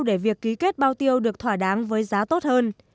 để việc ký kết bao tiêu được thỏa đáng với giá tốt hơn